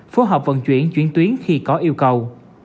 phối hợp vận chuyển chuyển tuyến khi có yêu cầu